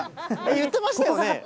言ってましたよね？